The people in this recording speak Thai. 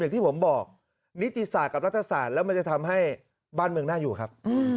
ที่ผมบอกนิติศาสตร์กับรัฐศาสตร์แล้วมันจะทำให้บ้านเมืองน่าอยู่ครับ